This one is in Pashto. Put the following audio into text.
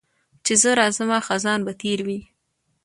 چي زه راځمه خزان به تېر وي